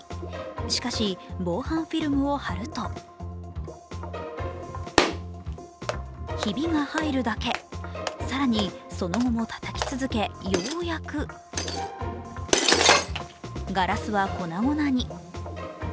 しかし防犯フィルムを貼るとヒビが入るだけ、更に、その後もたたき続け、ようやくガラスは粉々に。